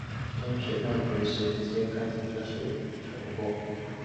蒸水蛋可以随时揭开捡查成果。